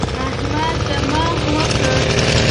احمد دماغ وکړ.